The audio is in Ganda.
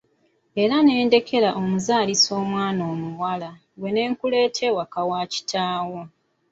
Era ne ndekera omuzaalisa omwana omuwala, gwe ne nkuleeta ewaka wa kitaawo.